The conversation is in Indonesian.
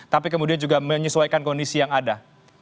tapi kemudian juga menyesuaikan kondisi yang ada